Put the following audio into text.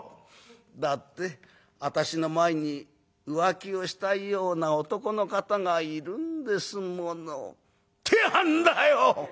『だって私の前に浮気をしたいような男の方がいるんですもの』ってやんだよ！」。